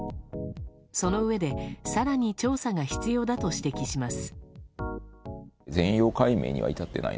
そのうえで、更に調査が必要だと指摘します。